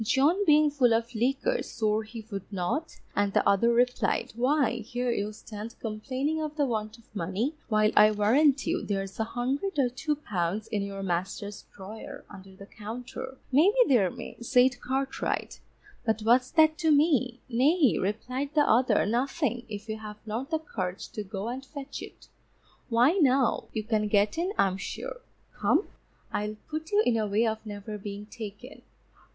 John being full of liquor swore he would not, and the other replied, _Why, here you stand complaining of the want of money, while I warrant you, there's a hundred or two pounds in your master's drawer under the counter. Maybe there may_, said Cartwright, but what's that to me? Nay, replied the other, _nothing, if you have not the courage to go and fetch it; why now, you can get in I'm sure. Come, I'll put you in a way of never being taken.